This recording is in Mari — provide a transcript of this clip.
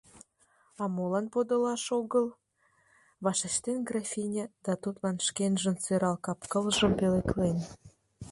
«А молан подылаш огыл? — вашештен графиня да тудлан шкенжын сӧрал капкылжым пӧлеклен.